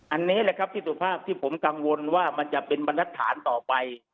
อันนี้แหละครับพี่สุภาพที่ผมกังวลว่ามันจะเป็นบรรทัศน์ต่อไป